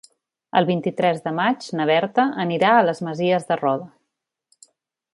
El vint-i-tres de maig na Berta anirà a les Masies de Roda.